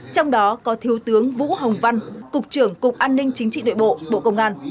trong đó có thiếu tướng vũ hồng văn cục trưởng cục an ninh chính trị nội bộ bộ công an